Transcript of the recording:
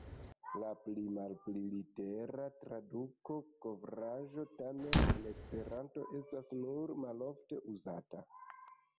La pli-malpli litera traduko "kovraĵo" tamen en Esperanto estas nur malofte uzata.